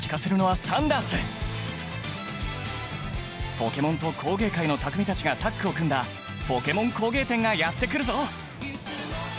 ポケモンと工芸界の匠たちがタッグを組んだポケモン工芸展がやって来るぞ！